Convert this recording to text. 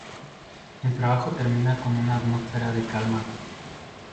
El trabajo termina con una atmósfera de calma.